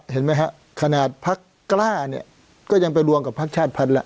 เห็นไหมฮะขนาดพักกล้าเนี่ยก็ยังไปรวมกับพักชาติพันธุ์แล้ว